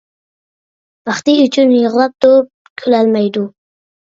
بەختى ئۈچۈن يىغلاپ تۇرۇپ كۈلەلمەيدۇ.